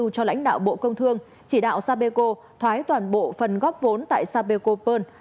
chỉ đạo bộ công thương chỉ đạo sapeco thoái toàn bộ phần góp vốn tại sapeco pern